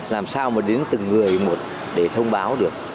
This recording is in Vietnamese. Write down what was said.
làm sao mà đến từng người một để thông báo được